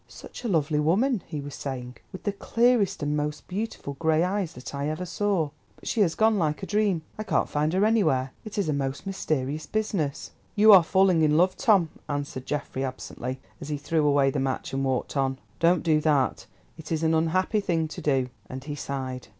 "Such a lovely woman," he was saying, "with the clearest and most beautiful grey eyes that I ever saw. But she has gone like a dream. I can't find her anywhere. It is a most mysterious business." "You are falling in love, Tom," answered Geoffrey absently, as he threw away the match and walked on. "Don't do that; it is an unhappy thing to do," and he sighed.